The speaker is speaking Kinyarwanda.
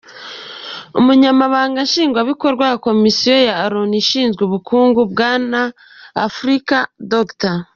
Umunyamabanga Nshingwabikorwa wa Komisiyo ya Loni ishinzwe ubukungu bwa Afurika, Dr.